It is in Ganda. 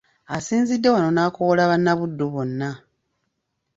Asinzidde wano n'akoowoola bannabuddu bonna